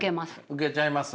受けちゃいます。